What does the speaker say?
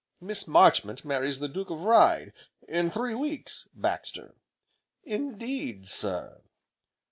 "Miss Marchmont marries the Duke of Hyde, in three weeks, Baxter." "Indeed, sir!"